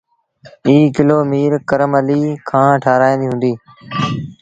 ايٚ ڪلو ميٚر ڪرم اليٚ کآݩ ٺآرآيآݩدي هُݩدي۔